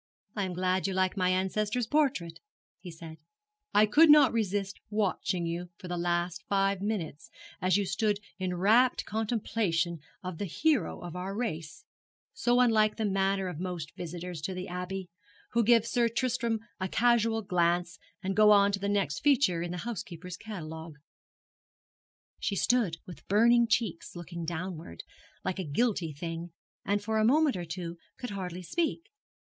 'I am glad you like my ancestor's portrait,' he said. 'I could not resist watching you for the last five minutes, as you stood in rapt contemplation of the hero of our race; so unlike the manner of most visitors to the Abbey, who give Sir Tristram a casual glance, and go on to the next feature in the housekeeper's catalogue.' She stood with burning cheeks, looking downward, like a guilty thing, and for a moment or two could hardly speak.